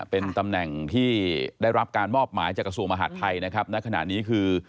เป็นตำแหน่งที่ได้รับการมอบหมายจากกระทรวงมหาดไทยนะครับณขณะนี้คือ